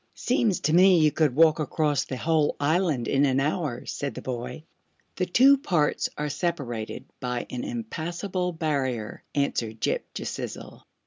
Seems to me you could walk across the whole island in an hour," said the boy. "The two parts are separated by an impassable barrier," answered Ghip Ghisizzle.